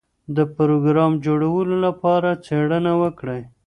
د پروګرام جوړولو لپاره څېړنه وکړئ.